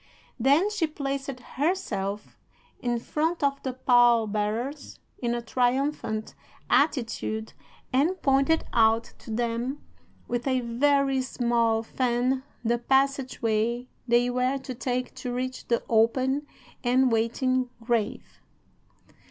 Then she placed herself in front of the pall bearers in a triumphant attitude and pointed out to them with a very small fan the passage way they were to take to reach the open and waiting grave.